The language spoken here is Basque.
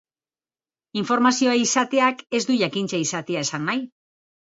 Informazioa izateak ez du jakintza izatea esan nahi.